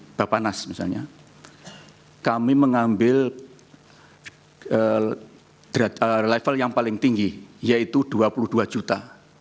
bapak nas misalnya kami mengambil level yang paling tinggi yaitu dua puluh dua juta